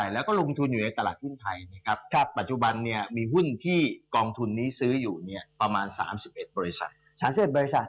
แล้วก็ลงทุนอยู่ในตลาดยุ่นไทยปัจจุบันมีหุ้นที่กองทุนนี้ซื้ออยู่ประมาณ๓๑บริษัท